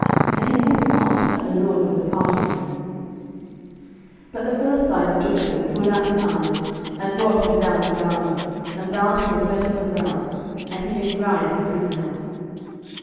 And he wist not that the LORD was departed from him. 07:016:021 But the Philistines took him, and put out his eyes, and brought him down to Gaza, and bound him with fetters of brass; and he did grind in the prison house.